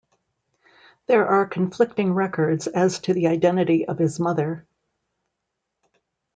There are conflicting records as to the identity of his mother.